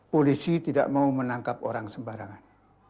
polisi tidak mau menangkap orang sembarangan